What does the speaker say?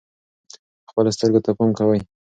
خپلو سترګو ته پام کوئ.